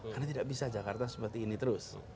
karena tidak bisa jakarta seperti ini terus